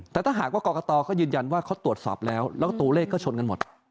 แต่ถ้าหากว่ากรกตเขายืนยันว่าเขาตรวจสอบแล้วแล้วก็ตัวเลขก็ชนกันหมด